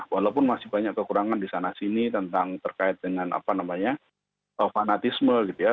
walaupun masih banyak kekurangan di sana sini tentang terkait dengan apa namanya fanatisme gitu ya